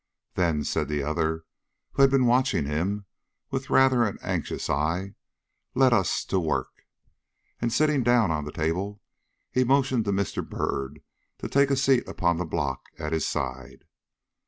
"Then," said the other, who had been watching him with rather an anxious eye, "let us to work." And, sitting down on the table, he motioned to Mr. Byrd to take a seat upon the block at his side.